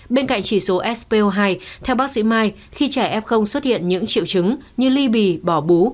bên cạnh chỉ số spo hai theo bác sĩ mai khi trẻ f xuất hiện những triệu chứng như ly bì bỏ bú